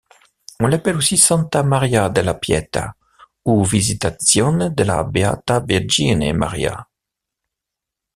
On l'appelle aussi Santa Maria della Pietà ou Visitazione della Beata Virgine Maria.